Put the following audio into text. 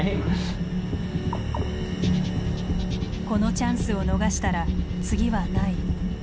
このチャンスを逃したら次はない。